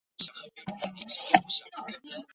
其他传教士此后均被驱逐。